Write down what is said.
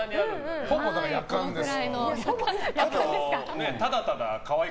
ほぼ、やかんです。